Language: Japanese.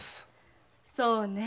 そうねえ。